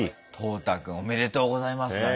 兜太くんおめでとうございますだね